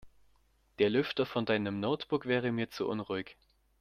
Der Lüfter von deinem Notebook wäre mir zu unruhig.